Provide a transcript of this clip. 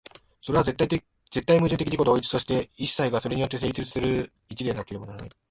それは絶対矛盾的自己同一として、一切がそれによって成立する一でなければならない。